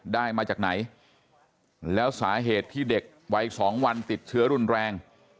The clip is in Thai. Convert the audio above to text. มาจากไหนแล้วสาเหตุที่เด็กวัย๒วันติดเชื้อรุนแรง